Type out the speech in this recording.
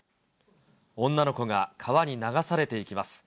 女の子が川に流されていきます。